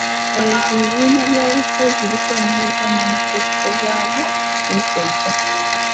Ebibiina by'obufuzi bitongoza manifesito zaabyo wiiki ejja.